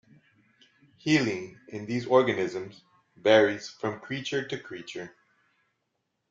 Healing in these organisms varies from creature to creature.